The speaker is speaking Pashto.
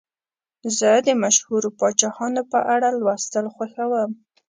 زه د مشهورو پاچاهانو په اړه لوستل خوښوم.